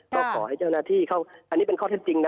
ก็ขอให้เจ้าหน้าที่เข้าอันนี้เป็นข้อเท็จจริงนะ